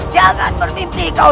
jangan bermimpi kau